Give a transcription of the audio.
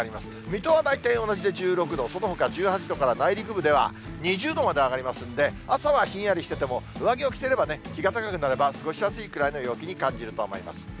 水戸は大体同じで１６度、そのほか１８度から内陸部では２０度まで上がりますんで、朝はひんやりしてても、上着を着てれば、日が高くなれば過ごしやすいくらいの陽気に感じると思います。